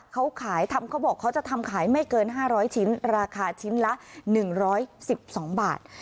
เขาขายทำเขาบอกเขาจะทำขายไม่เกินห้าร้อยชิ้นราคาชิ้นละหนึ่งร้อยสิบสองบาท